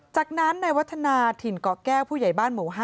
จากนั้นในวัฒนาถิ่นเกาะแก้วผู้ใหญ่บ้านหมู่๕